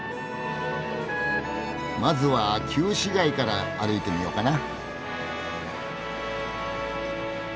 まずは旧市街から歩いてみようかな。